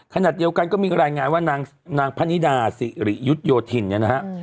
ขณะเดียวกันก็มีรายงานว่านางพนิดาสิริยุทธโยธินเนี่ยนะฮะ